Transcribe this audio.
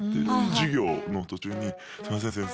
授業の途中に「すいません先生